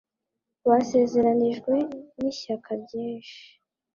Basezeranijwe nishyaka ryinshi